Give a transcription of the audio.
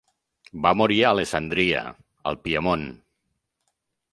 Va morir a Alessandria, al Piemont.